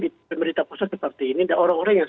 di pemerintah pusat seperti ini dan orang orang yang